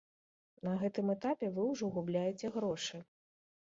На гэтым этапе вы ўжо губляеце грошы.